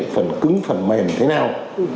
phần cứng phần mềm thế nào